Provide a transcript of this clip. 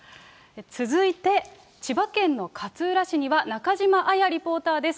続いて、千葉県の勝浦市には中島彩リポーターです。